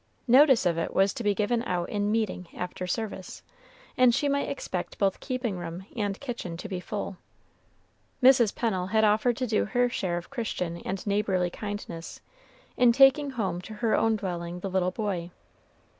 Notice of it was to be given out in "meeting" after service, and she might expect both keeping room and kitchen to be full. Mrs. Pennel had offered to do her share of Christian and neighborly kindness, in taking home to her own dwelling the little boy.